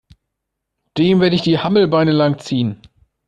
Dem werde ich die Hammelbeine lang ziehen!